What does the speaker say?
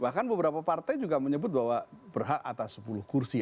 bahkan beberapa partai juga menyebut bahwa berhak atas sepuluh kursi